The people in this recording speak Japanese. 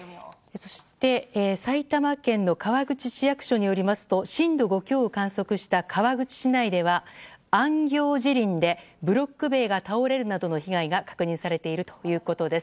そして、埼玉県の川口市役所によりますと震度５強を観測した川口市内では安行慈林でブロック塀が倒れるなどの被害が確認されているということです。